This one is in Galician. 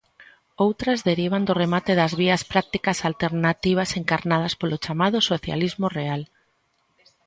Outras derivan do remate das vías prácticas alternativas encarnadas polo chamado socialismo real.